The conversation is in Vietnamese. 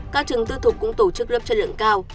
các trường tư thục cũng tổ chức lớp chất lượng cao